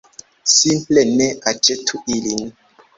Simple ne aĉetu ilin!